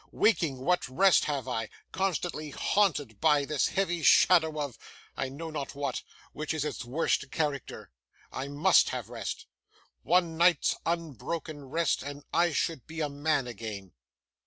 Waking, what rest have I, constantly haunted by this heavy shadow of I know not what which is its worst character? I must have rest. One night's unbroken rest, and I should be a man again.